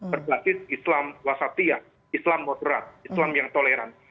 berbasis islam wasatiyah islam moderat islam yang toleran